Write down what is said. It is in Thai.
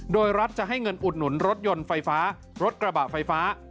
โดยรัฐจะให้เงินอุดหนุนรถยนต์ไฟฟ้ารถกระบะไฟฟ้า